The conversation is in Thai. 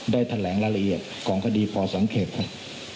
ได้แถลงรายละเอียดของคดีพอสังเกตครับ